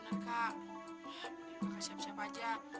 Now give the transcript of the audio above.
nanti kakak siap siap aja